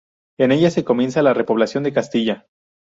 En ella se comienza la repoblación de Castilla.